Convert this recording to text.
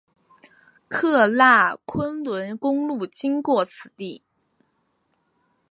喀喇昆仑公路经过此地。